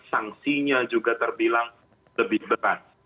sanksinya juga terbilang lebih berat